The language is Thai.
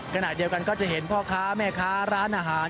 ขณะเดียวกันก็จะเห็นพ่อค้าแม่ค้าร้านอาหาร